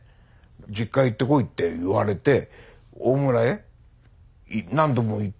実家行ってこいって言われて大村へ何度も行ってますから。